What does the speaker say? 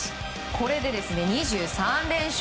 これで２３連勝！